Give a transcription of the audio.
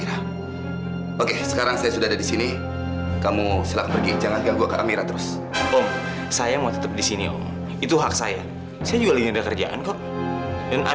ibu gak boleh pergi dari sini